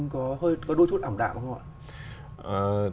có đôi chút ẩm đạm không ạ